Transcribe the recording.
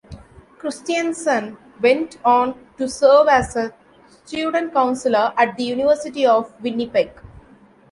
Christianson went on to serve as a student counsellor at the University of Winnipeg.